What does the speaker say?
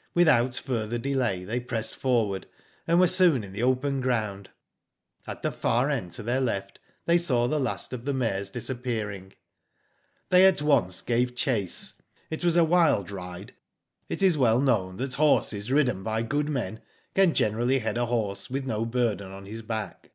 '* Without further delay they pressed forward, and were soon in the open ground. At the far end to their left they saw the last of the mares disappearing. '*They at once gave chase. It was a wild ride« It is well known that horses ridden by good men can generally head a horse with no burden on his back.